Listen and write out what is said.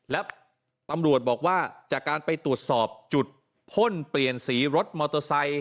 และตำรวจบอกว่าจากการไปตรวจสอบจุดพ่นเปลี่ยนสีรถมอเตอร์ไซค